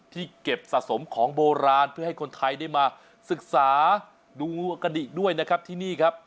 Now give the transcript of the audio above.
ที่เก็บสะสมของโบราณเพื่อให้คนไทยได้มาศึกษาดูกะดิด้วยนะครับที่นี่ครับ